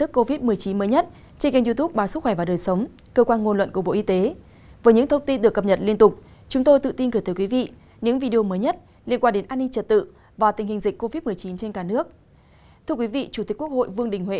các bạn hãy đăng ký kênh để ủng hộ kênh của chúng mình nhé